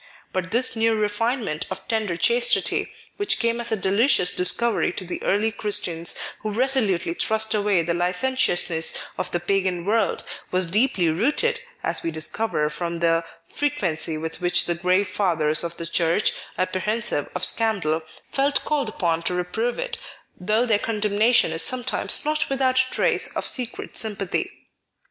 But this new refinement of tender chastity, which came as a delicious discovery to the early Christians who resolutely thrust away the licentiousness of the pagan world, was deeply rooted, as we discover from the fre quency with which the grave Fathers of the Church, apprehensive of scandal, felt called upon to reprove it, though their condemna tion is sometimes not without a trace of secret sympathy.